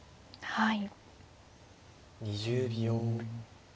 はい。